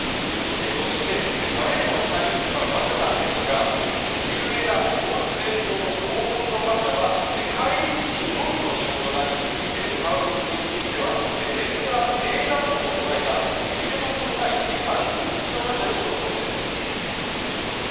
そして、パレードの際に使う馬車なんですが有名な王室伝統の黄金の馬車は帰り道のみの使用となり向かう道については冷暖房を備えた、揺れの少ない最新式の馬車に乗るそうです。